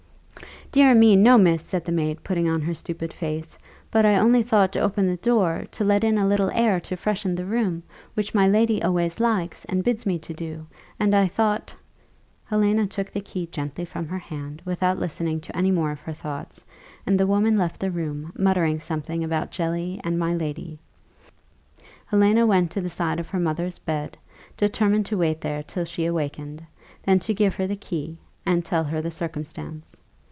"Dear me! no, miss," said the maid, putting on her stupid face; "but I only thought to open the door, to let in a little air to freshen the room, which my lady always likes, and bids me to do and I thought " Helena took the key gently from her hand without listening to any more of her thoughts, and the woman left the room muttering something about jelly and my lady, Helena went to the side of her mother's bed, determined to wait there till she awakened, then to give her the key, and tell her the circumstance.